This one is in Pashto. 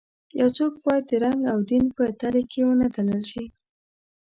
یو څوک باید د رنګ او دین په تلې کې ونه تلل شي.